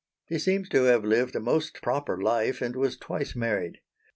He seems to have lived a most proper life, and was twice married.